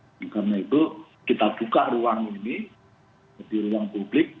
oleh karena itu kita buka ruang ini di ruang publik